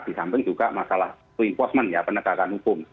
disambil juga masalah reinforcement ya penegakan hukum